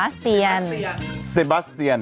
เซบาสเตียน